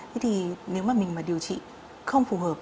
thế thì nếu mà mình mà điều trị không phù hợp